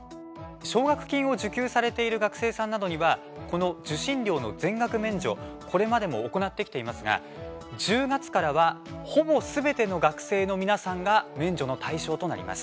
奨学金を受給されている学生さんなどにはこの受信料の全額免除これまでも行ってきていますが１０月からはほぼすべての学生の皆さんが免除の対象となります。